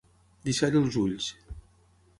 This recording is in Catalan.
Deixar-hi els ulls.